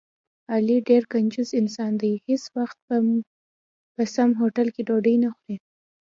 علي ډېر کنجوس انسان دی، هېڅ وخت په سم هوټل کې ډوډۍ نه خوري.